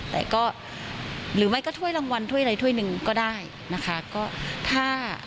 แต่ก็หรือไม่ก็ถ้วยรางวัลถ้วยใดถ้วยหนึ่งก็ได้นะคะก็ถ้า